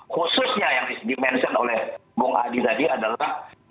khususnya yang dimenangkan oleh bong adi tadi adalah